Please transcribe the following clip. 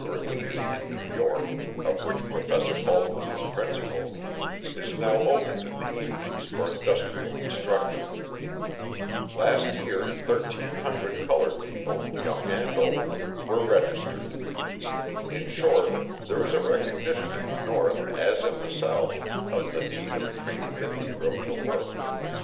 80 in New York, of which Professor Bulkley is principal, is now opened in the evenings for industrial instruction. Last year 1,300 coloured people, young and old, were registered. In short, there is a recognition in the North as in the South of the need of training the Negro to work.